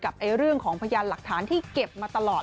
กับเรื่องของพยานหลักฐานที่เก็บมาตลอด